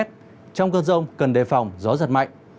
trong cơn rông cần đề phòng gió giật mạnh